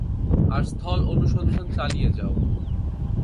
আর স্থল অনুসন্ধান চালিয়ে যাও।